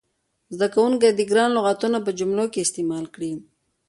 زده کوونکي دې ګران لغتونه په جملو کې استعمال کړي.